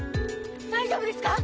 大丈夫ですか？